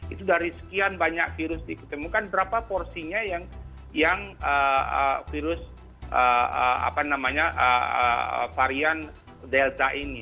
itu dari sekian banyak virus diketemukan berapa porsinya yang virus varian delta ini